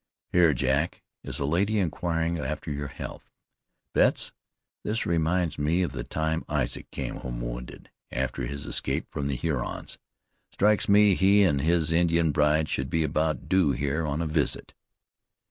"Here, Jack, is a lady inquiring after your health. Betts, this reminds me of the time Isaac came home wounded, after his escape from the Hurons. Strikes me he and his Indian bride should be about due here on a visit."